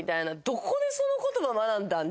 どこでその言葉学んだん？